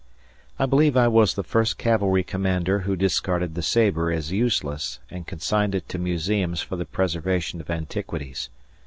I believe I was the first cavalry commander who discarded the sabre as useless and consigned it to museums for the preservation of antiquities.